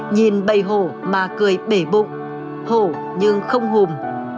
nhìn bầy hổ mà cười bể bụng hổ nhưng không hùm